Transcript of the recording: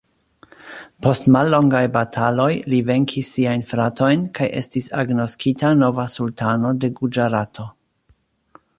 Post mallongaj bataloj li venkis siajn fratojn kaj estis agnoskita nova sultano de Guĝarato.